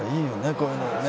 こういうのね」